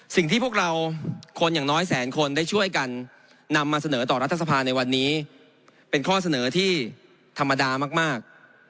สิ่งที่พวกเราคนอย่างน้อยแสนคนได้ช่วยกันนำมาเสนอต่อรัฐสภาในวันนี้เป็นข้อเสนอที่ธรรมดามาก